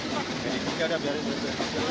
ini kita udah biarin dulu